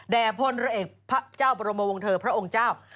แด่พลระเอกพระเจ้าประโรมวงศ์เธอพระองค์เจ้า